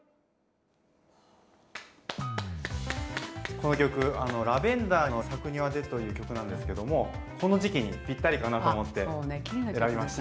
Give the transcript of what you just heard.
この曲あの「ラヴェンダーの咲く庭で」という曲なんですけどもこの時期にぴったりかなと思って選びました。